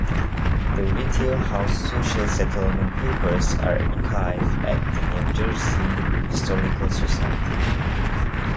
The Whittier House Social Settlement Papers are archived at the New Jersey Historical Society.